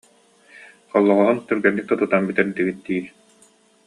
Холлоҕоһун түргэнник да тутан бүтэрдигит дии